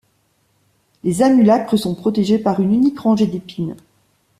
Les amulacres sont protégés par une unique rangée d'épines.